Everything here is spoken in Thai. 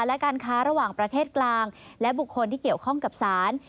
และการค้าระหว่างประเทศกลางและบุคคลที่เกี่ยวข้องกับสาร